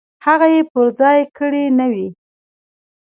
هغه یې پر ځای کړې نه وي.